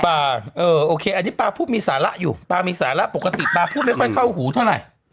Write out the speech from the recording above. โอเคอันนี้ปลาพูดมีสาระอยู่ปลามีสาระปกติปลาพูดไม่ค่อยเข้าหูเท่าไหร่